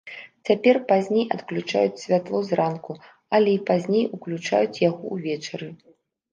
Цяпер пазней адключаюць святло зранку, але і пазней уключаюць яго ўвечары.